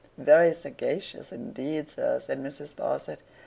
'Very sagacious indeed, sir,' said Mrs. Sparsit.